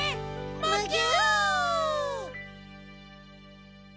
むぎゅ！